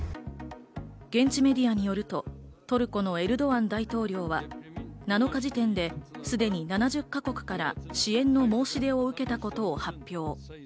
現地メディアによるとトルコのエルドアン大統領は、７日時点で、すでに７０か国から支援の申し出を受けたことを発表。